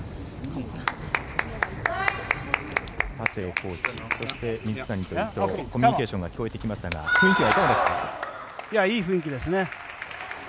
コーチ、そして水谷と伊藤コミュニケーションが聞こえてきましたがいい雰囲気ですね。